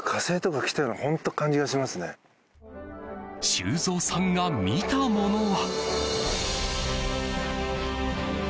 修造さんが見たものは？